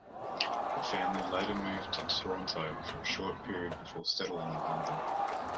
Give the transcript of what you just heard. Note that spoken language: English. The family later moved to Toronto for a short period before settling in London.